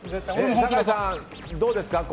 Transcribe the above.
酒井さん、どうですか？